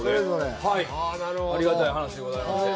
ありがたい話でございまして。